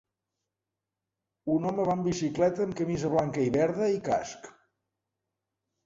Un home va amb bicicleta amb camisa blanca i verda i casc.